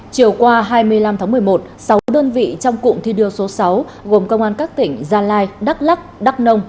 chiều qua hai mươi năm tháng một mươi một sáu đơn vị trong cụm thi đua số sáu gồm công an các tỉnh gia lai đắk lắc đắk nông